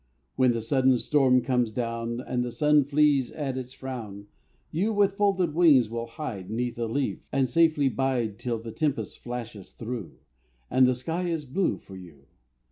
When the sudden storm comes down, And the sun flees at its frown, You with folded wings will hide 'Neath a leaf, and safely bide Till the tempest flashes through, And the sky is blue for you.